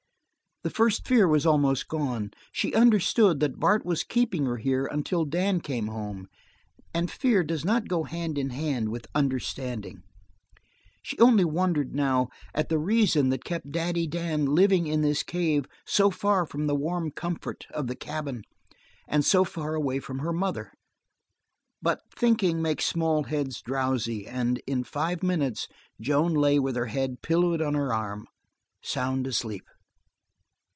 The first fear was almost gone; she understood that Bart was keeping her here until Dan came home, and fear does not go hand in hand with understanding. She only wondered, now, at the reason that kept Daddy Dan living in this cave so far from the warm comfort of the cabin, and so far away from her mother; but thinking makes small heads drowsy, and in five minutes Joan lay with her head pillowed on her arm, sound asleep.